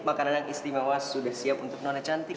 makanan yang istimewa sudah siap untuk nona cantik